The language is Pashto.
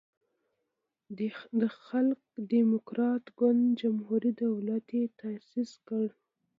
د خلق دیموکراتیک ګوند جمهوری دولت یی تاسیس کړو.